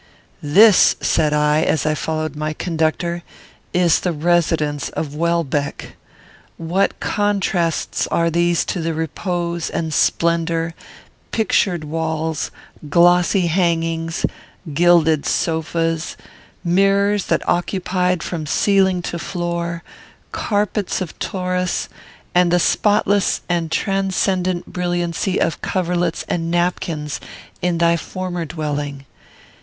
"This," said I, as I followed my conductor, "is the residence of Welbeck. What contrasts are these to the repose and splendour, pictured walls, glossy hangings, gilded sofas, mirrors that occupied from ceiling to floor, carpets of Tauris, and the spotless and transcendent brilliancy of coverlets and napkins, in thy former dwelling!